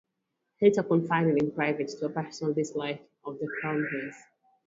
Hitler confided in private to a personal dislike of the Crown Prince.